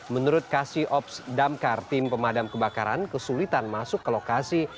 menurut kasih ops damkar tim pemadam kebakaran kesulitan masuk ke lokasi